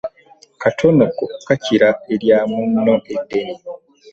Katonoko kakira elya munno eddene.